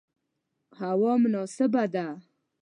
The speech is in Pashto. هوا مناسبه ده